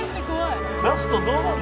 「ラストどうなるの？